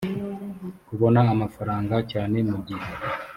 kubona amafaranga cyane mu gihe